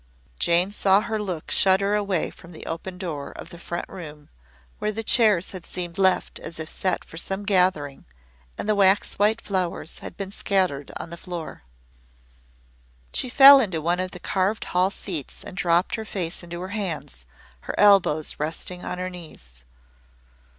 Jane saw her look shudder away from the open door of the front room, where the chairs had seemed left as if set for some gathering, and the wax white flowers had been scattered on the floor. She fell into one of the carved hall seats and dropped her face into her hands, her elbows resting on her knees.